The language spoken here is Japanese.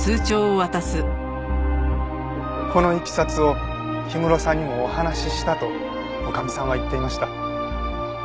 このいきさつを氷室さんにもお話ししたと女将さんは言っていました。